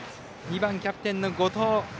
キャプテンの後藤。